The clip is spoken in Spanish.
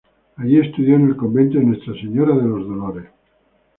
Allí estudió en el Convento de Nuestra Señora de los Dolores.